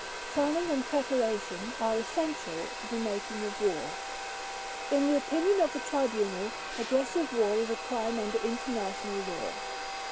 Planning and preparation are essential to the making of war. In the opinion of the Tribunal aggressive war is a crime under international law.